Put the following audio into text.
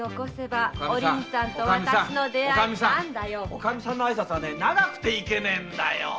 おカミさんの挨拶は長くていけねえんだよ。